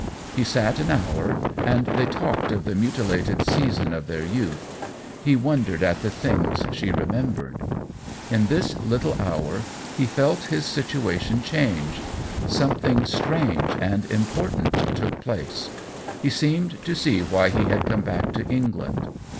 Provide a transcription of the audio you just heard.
He sat an hour, and they talked of the mu tilated season of their youth ; he wondered at the things she remembered. In this little hour he felt his situation change — some thing strange and important take place ; he seemed to see why he had come back to England.